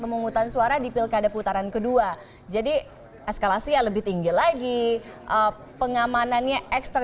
pemungutan suara di pilkada putaran kedua jadi eskalasi lebih tinggi lagi pengamanannya ekstra